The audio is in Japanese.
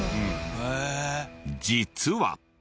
実は。